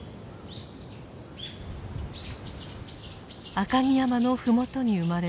赤城山の麓に生まれ